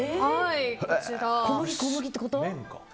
小麦、小麦ってこと？